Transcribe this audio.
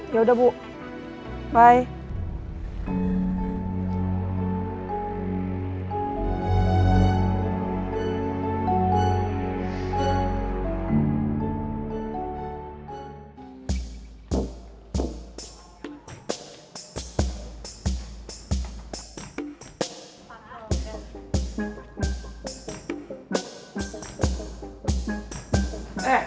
yaudah bu bye